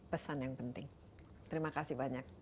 pesan yang penting terima kasih banyak